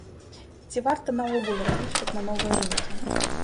Ці варта наогул разлічваць на новыя рынкі?